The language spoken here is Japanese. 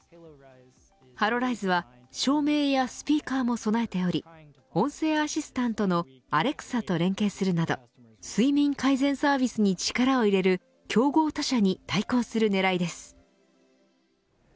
ハロライズは照明やスピーカーも備えており音声アシスタントのアレクサと連携するなど睡眠改善サービスに力を入れる競合他社に対抗する狙いです。